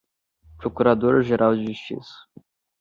procurador-geral de justiça